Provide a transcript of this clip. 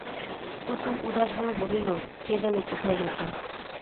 কুসুম উদাসভাবে বলিল, কে জানে কোথায় গেছে!